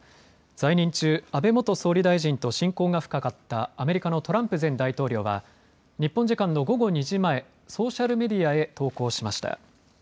在任中、安倍元総理大臣と親交が深かったアメリカのトランプ前大統領は日本時間の午後２時前ソーシャルメディアへ投稿しました。